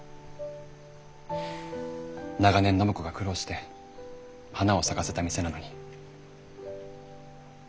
長年暢子が苦労して花を咲かせた店なのに。